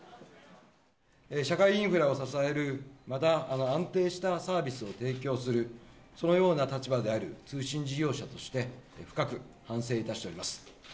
社会インフラを支える、また、安定したサービスを提供する、そのような立場である通信事業者として、深く反省いたしております。